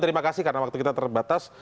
terima kasih karena waktu kita terbatas